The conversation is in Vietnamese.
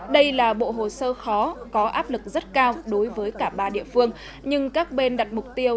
đây là bộ hồ sơ khó có áp lực rất cao đối với cả ba địa phương nhưng các bên đặt mục tiêu